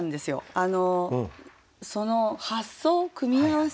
あのその発想組み合わせ？